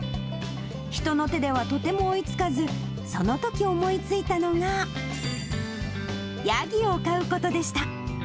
人の手ではとても追いつかず、そのとき思いついたのがヤギを飼うことでした。